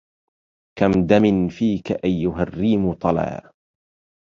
كم دم فيك أيها الريم طلا